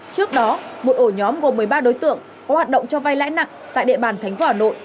trước đó một ổ nhóm gồm một mươi ba đối tượng có hoạt động cho vay lãi nặng tại địa bàn tp hà nội